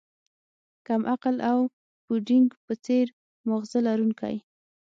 کم عقل او د پوډینګ په څیر ماغزه لرونکی